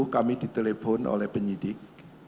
kami ditelepon oleh penyidik